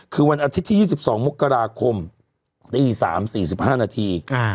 คือวันอาทิตย์ที่๒๒มกราคมตี๓๔๕นาที